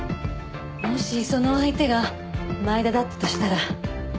もしその相手が前田だったとしたら。